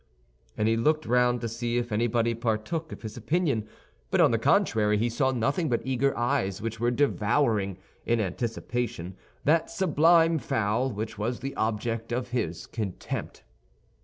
And he looked round to see if anybody partook of his opinion; but on the contrary, he saw nothing but eager eyes which were devouring, in anticipation, that sublime fowl which was the object of his contempt.